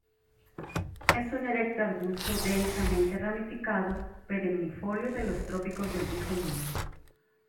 Es un erecto arbusto densamente ramificado perennifolio de los trópicos del Viejo Mundo.